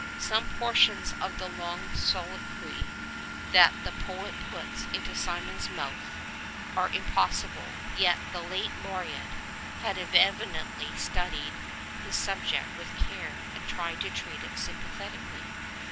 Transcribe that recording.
Some portions of the long soliloquy that the poet puts into Simeon's mouth are im possible; yet the late Laureate had evidently studied his subject with care and tried to treat it sympathetically.